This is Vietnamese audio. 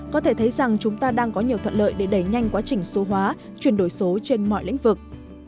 có thể thấy rằng chúng ta đang có nhiều thuận lợi để đẩy nhanh quá trình số hóa chuyển đổi số trên mọi lĩnh vực